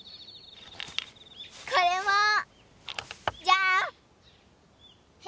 これも！じゃん！